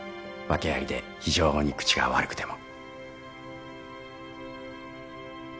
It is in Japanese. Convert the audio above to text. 訳ありで非常に口が悪くても。